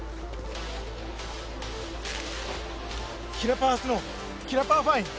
キラパワスノーキラパワファイン！